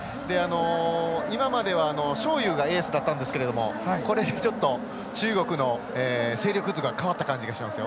今までは、章勇がエースだったんですけどちょっと、中国の勢力図が変わった感じがしますよ。